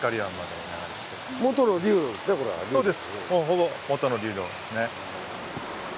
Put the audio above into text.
ほぼ元の流路ですね。